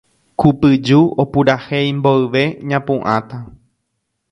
Kupyju opurahéi mboyve ñapu'ãta